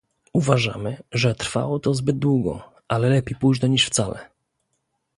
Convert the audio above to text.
Uważamy, że trwało to zbyt długo, ale lepiej późno niż wcale